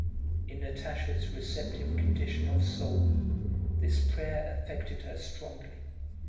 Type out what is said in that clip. In Natásha's receptive condition of soul this prayer affected her strongly.